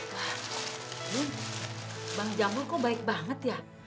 yun bang jamhur kok baik banget ya